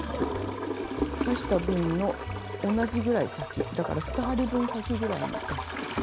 刺した分の同じぐらい先だから２針分先ぐらいに出す。